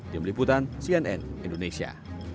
di meliputan cnn indonesia